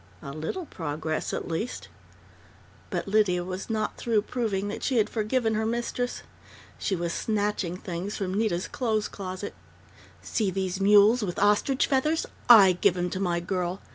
_ A little progress, at least! But Lydia was not through proving that she had forgiven her mistress. She was snatching things from Nita's clothes closet "See these mules with ostrich feathers? I give 'em to my girl!...